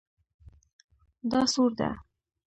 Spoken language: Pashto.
دا سور ده